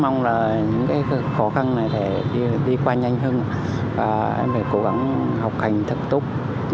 mong là những cái khó khăn này sẽ đi qua nhanh hơn em phải cố gắng học hành thật tốt